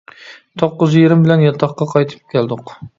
توققۇز يېرىم بىلەن ياتاققا قايتىپ كەلدۇق.